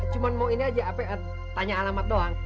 cuma mau ini aja tanya alamat doang